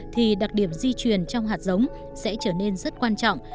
thì đặc điểm di truyền trong hạt giống sẽ trở nên rất quan trọng